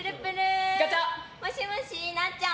もしもし、なっちゃん